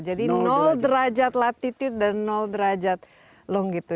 jadi derajat latitude dan derajat long gitu